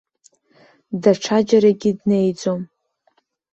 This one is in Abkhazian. Даҽаџьарагьы днеиӡом!